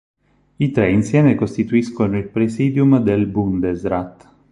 I tre insieme costituiscono il presidium del Bundesrat.